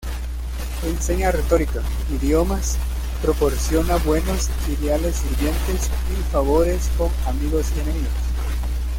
Enseña Retórica, idiomas, proporciona buenos y leales sirvientes y favores con amigos y enemigos.